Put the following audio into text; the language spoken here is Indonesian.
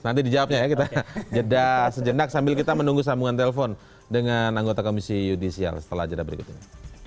nanti dijawabnya ya kita jeda sejenak sambil kita menunggu sambungan telepon dengan anggota komisi yudisial setelah jeda berikut ini